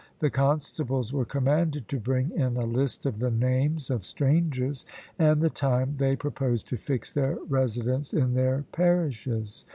The constables were commanded to bring in a list of the names of strangers, and the time they proposed to fix their residence in their parishes.